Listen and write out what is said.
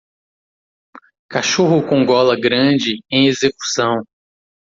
Cachorro com gola grande em execução.